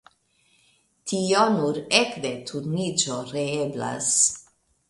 Tio nur ekde Turniĝo reeblas.